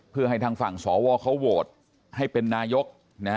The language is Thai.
เพื่อให้ทางฝั่งสวเขาโหวตให้เป็นนายก